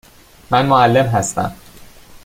من معلم هستم.